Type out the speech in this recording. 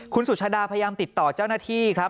คุณสุชาดาพยายามติดต่อเจ้าหน้าที่ครับ